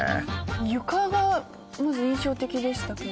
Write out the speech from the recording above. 床がまず印象的でしたけど。